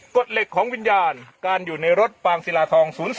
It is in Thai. กฎเหล็กของวิญญาณการอยู่ในรถฟางศิลาทอง๐๔